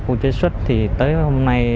khu chế xuất thì tới hôm nay